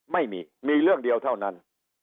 ไม่มีมีเรื่องเดียวเท่านั้น